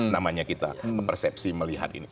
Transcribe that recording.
namanya kita persepsi melihat ini